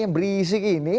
yang berisik ini